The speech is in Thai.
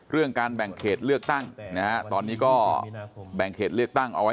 เวลาการแบ่งเกจเลือกตั้งตอนนี้ก็แบ่งเกจเลือกตั้งเอาไว้